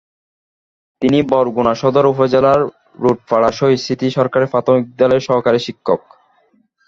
তিনি বরগুনা সদর উপজেলার রোডপাড়া শহীদ স্মৃতি সরকারি প্রাথমিক বিদ্যালয়ের সহকারী শিক্ষক।